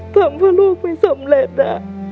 ทำเพราะโลกไม่สำเร็จอะ